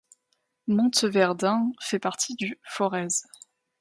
Montverdun fait partie du Forez.